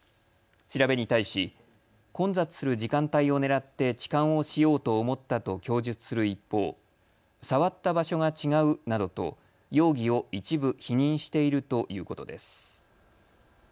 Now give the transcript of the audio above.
調べに対し混雑する時間帯を狙って痴漢をしようと思ったと供述する一方、触った場所が違うなどと容疑を一部否認しているということです。